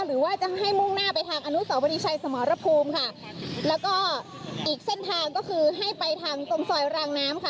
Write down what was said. หรือว่าจะให้มุ่งหน้าไปทางอนุสาวรีชัยสมรภูมิค่ะแล้วก็อีกเส้นทางก็คือให้ไปทางตรงซอยรางน้ำค่ะ